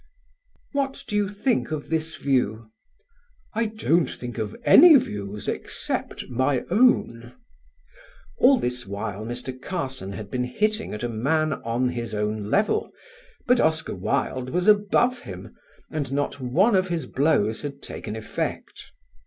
"What do you think of this view?" "I don't think of any views except my own." All this while Mr. Carson had been hitting at a man on his own level; but Oscar Wilde was above him and not one of his blows had taken effect.